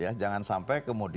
ya jangan sampai kemudian